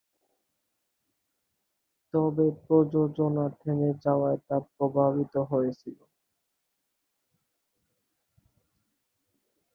তবে প্রযোজনা থেমে যাওয়ায় তা প্রভাবিত হয়েছিল।